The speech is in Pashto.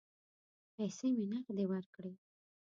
پیسې مې نغدې کړې.